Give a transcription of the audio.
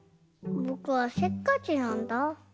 ぼくはせっかちなんだ。